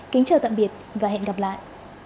kính chào tạm biệt và hẹn gặp lại